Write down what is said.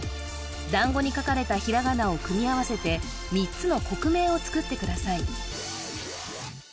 だんごに書かれたひらがなを組み合わせて３つの国名をつくってください